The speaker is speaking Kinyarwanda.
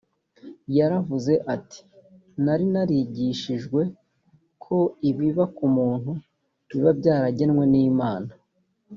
yaravuze ati nari narigishijwe ko ibiba ku muntu biba byaragenwe n imana